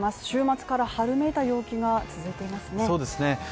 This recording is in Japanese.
週末から春めいた陽気が続いていますね。